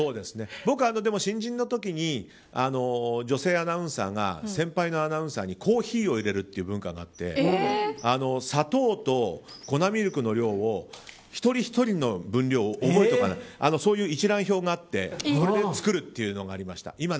僕、新人の時に女性アナウンサーが先輩のアナウンサーにコーヒーを入れるっていう文化があって砂糖と粉ミルクの量を一人ひとりの分量を覚えておくそういう一覧表があってそれで作るっていうのがありました。